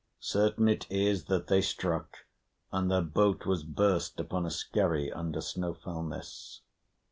Certain it is that they struck, and their boat was burst, upon a skerry under Snowfellness.